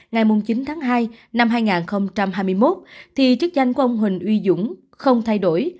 ngày chín tháng hai năm hai nghìn hai mươi một thì chức danh của ông huỳnh uy dũng không thay đổi